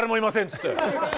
つって。